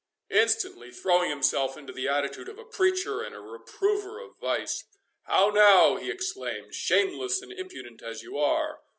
Instantly throwing himself into the attitude of a preacher and a reprover of vice, "How now!" he exclaimed, "shameless and impudent as you are!